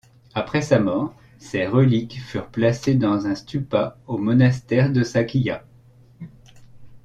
Après sa mort, ses reliques furent placées dans un stupa au monastère de Sakya.